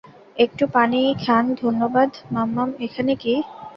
একটু পানি খান ধন্যবাদ ম্মম্মম এখানে কি?